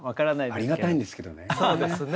ありがたいんですけどね。